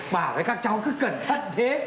bà thấy các cháu cứ cẩn thận thế